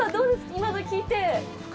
今の聞いて。